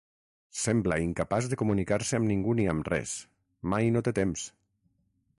Sembla incapaç de comunicar-se amb ningú ni amb res: mai no té temps.